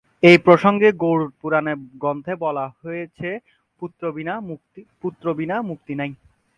এই প্রসঙ্গে গরুড় পুরাণ গ্রন্থে বলা হয়েছে, "পুত্র বিনা মুক্তি নাই।"